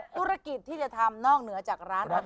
ธุรกิจที่จะทำนอกเหนือจากร้านอาหาร